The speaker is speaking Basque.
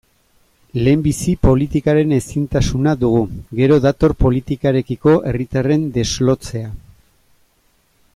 Lehenbizi politikaren ezintasuna dugu, gero dator politikarekiko herritarren deslotzea.